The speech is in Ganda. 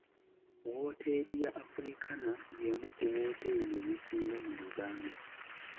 Wooteeri ya Africana y'emu ku wooteeri ezisinga mu Uganda.